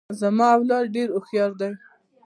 زما اولاد ډیر هوښیار دي.